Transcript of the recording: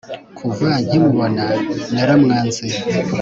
Kuva nkimubona naramwanze